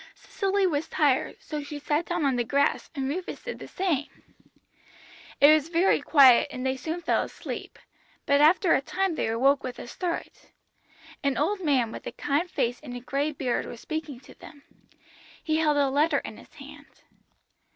Cicely was tired, so she sat down on the grass, and Rufus did the same. It was very quiet, and they soon fell asleep, but after a time they awoke with a start. An old man with a kind face and a grey beard was speaking to them. He held a letter in his hand.